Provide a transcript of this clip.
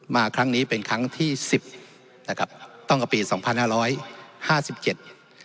มาครั้งนี้เป็นครั้งที่สิบนะครับตั้งแต่ปีสองพันห้าร้อยห้าสิบเจ็ด